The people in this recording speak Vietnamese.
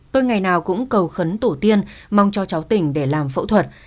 tôi ngày nào cũng cầu khấn tổ tiên mong cho cháu tỉnh để làm phẫu thuật